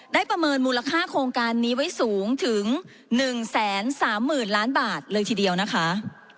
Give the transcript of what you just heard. ประเมินมูลค่าโครงการนี้ไว้สูงถึง๑๓๐๐๐ล้านบาทเลยทีเดียวนะคะ